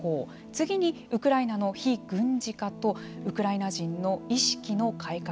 次にウクライナの非軍事化とウクライナ人の意識の改革